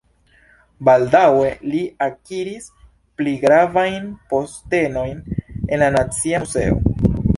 Baldaŭe li akiris pli gravajn postenojn en la Nacia Muzeo.